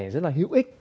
rất là hữu ích